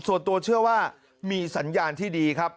ส่วนตัวเชื่อว่ามีสัญญาณที่ดีครับ